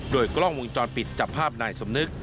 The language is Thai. โดยกล้องวงจรปิดจับภาพนายสมนึก